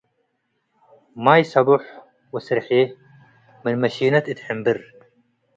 ማይ ሰቦሕ ወስርሔ፡፤ ምን መሺነት እት ሕምብር